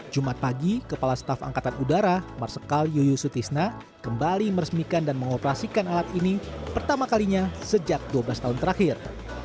jumat pagi kepala staf angkatan udara marsikal yoyusutisna kembali meresmikan dan mengoperasikan alat ini pertama kalinya sejak dua belas tahun terakhir